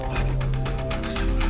terima kasih bangat bu